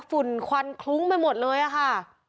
ฝุ่นควันคลุ้งไปหมดเลยอะค่ะ